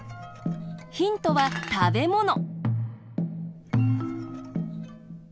ヒントはたべもの。